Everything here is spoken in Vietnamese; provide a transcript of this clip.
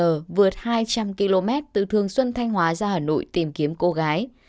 chị l vượt hai trăm linh km từ thương xuân thanh hóa ra hà nội tìm kiếm cô gái